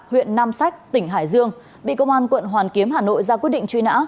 huyện nam sách tỉnh hải dương bị công an quận hoàn kiếm hà nội ra quyết định truy nã